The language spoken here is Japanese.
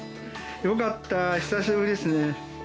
よかった、久しぶりですね。